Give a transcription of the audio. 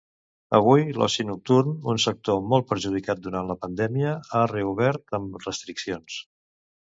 Avui l'oci nocturn, un sector molt perjudicat durant la pandèmia, ha reobert amb restriccions.